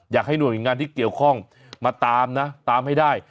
อยากให้หน่วยงานที่เกี่ยวข้องมาตามนะตามให้ได้